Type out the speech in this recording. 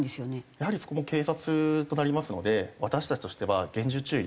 やはりそこも警察となりますので私たちとしては厳重注意。